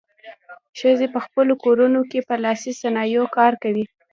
ښځې په خپلو کورونو کې په لاسي صنایعو کار کوي.